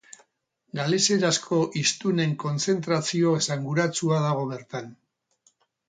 Galeserazko hiztunen kontzentrazio esanguratsua dago bertan.